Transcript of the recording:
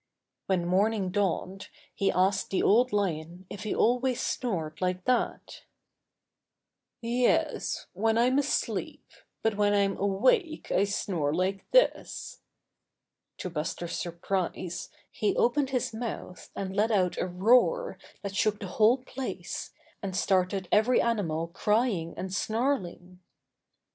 When morning dawned he asked the Old Lion if he always snored like that *'Yes, when I'm asleep, but when I'm awake I snore like this." To Buster's surprise he opened his mouth and let out a roar that shook the whole place and started every animal crying and snarling.